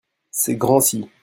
Ces grands-ci.